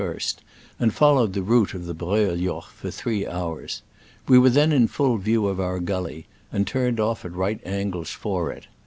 45 A. m. on June 21, and followed the route of the Breuiljoch for three hours. We were then in full view of our gully, and turned off at right angles for it.